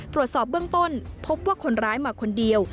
ตรวจสอบเบื้องต้นพบว่าคนร้ายมาคนเดียว